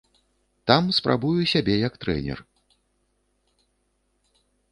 Там спрабую сябе як трэнер.